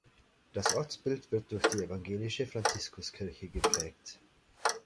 Das Ortsbild wird durch die evangelische Franziskuskirche geprägt.